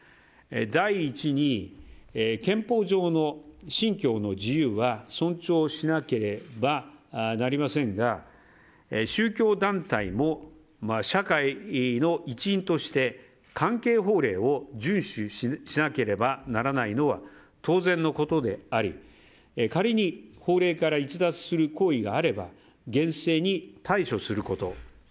第１に、憲法上の信教の自由は尊重しなければなりませんが宗教団体も社会の一員として関係法令を順守しなければならないのは当然のことであり仮に、法令から逸脱する行為があれば厳正に対処すること。